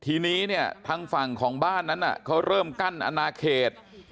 ทีนี้เนี่ยทางฝั่งของบ้านนั้นเขาเริ่มกั้นอนาเขต